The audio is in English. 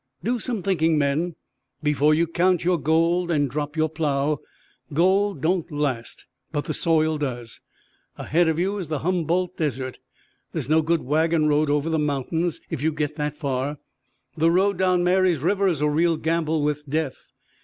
"Do some thinking, men, before you count your gold and drop your plow. Gold don't last, but the soil does. Ahead of you is the Humboldt Desert. There's no good wagon road over the mountains if you get that far. The road down Mary's River is a real gamble with death.